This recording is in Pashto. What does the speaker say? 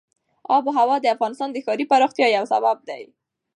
آب وهوا د افغانستان د ښاري پراختیا یو سبب دی.